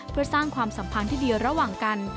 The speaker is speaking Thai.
เพื่อสร้างความสัมพันธ์ที่ดีระหว่างกัน